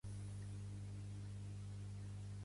Vull canviar han a català.